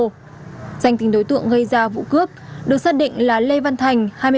danh tính đối tượng gây ra vụ cướp được xác định là lê văn thành